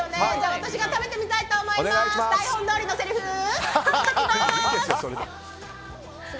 私が食べてみたいと思います。